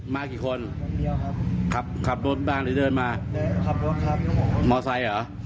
มากี่คนขับรถบ้างหรือเดินมามอเตอร์ไซค์เหรอ